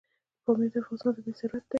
پامیر د افغانستان طبعي ثروت دی.